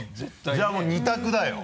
じゃあもう２択だよ。